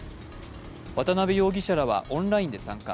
渡辺容疑者らはオンラインで参加。